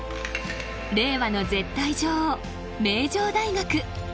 令和の絶対女王名城大学。